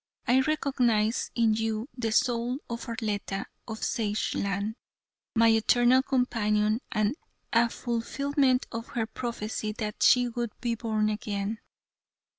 "I recognize in you the soul of Arletta, of Sageland, my eternal companion, and a fulfilment of her prophecy that she would be born again.